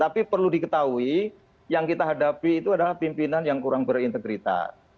tapi perlu diketahui yang kita hadapi itu adalah pimpinan yang kurang berintegritas